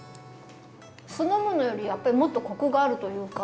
酢の物よりやっぱりもっとコクがあるというか。